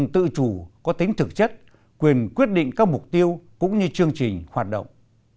tự chủ có tính thực chất quyền quyết định các mục tiêu cũng như chương trình hoạt động